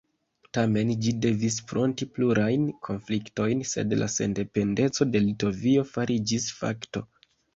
Tamen ĝi devis fronti plurajn konfliktojn, sed la sendependeco de Litovio fariĝis fakto.